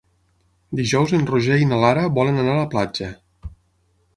Dijous en Roger i na Lara volen anar a la platja.